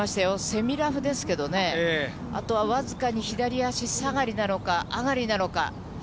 セミラフですけどね、あとは僅かに左足下がりなのか、上がりなのか。